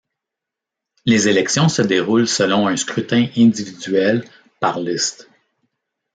Les élections se déroulent selon un scrutin individuel par liste.